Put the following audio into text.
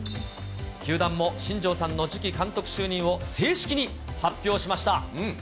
球団も新庄さんの次期監督就任を、正式に発表しました。